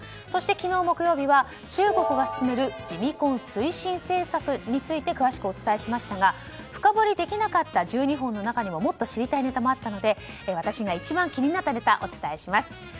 そして昨日、木曜日は中国が進めるジミ婚推進政策について詳しくお伝えしましたが深掘りできなかった１２本の中にはもっと知りたいネタもあったので私が一番気になったネタお伝えします。